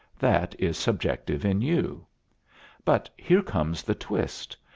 That is subjective in you. But here comes the twist.